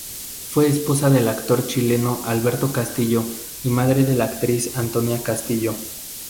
Fue esposa del actor chileno Alberto Castillo y madre de la actriz Antonia Castillo.